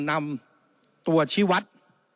นำตัวชีวัตร